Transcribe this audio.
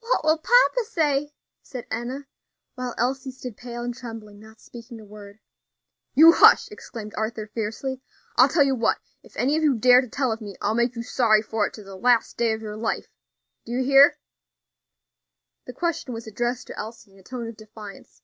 "What will papa say?" said Enna; while Elsie stood pale and trembling, not speaking a word. "You hush!" exclaimed Arthur fiercely. "I'll tell you what, if any of you dare to tell of me, I'll make you sorry for it to the last day of your life. Do you hear?" The question was addressed to Elsie in a tone of defiance.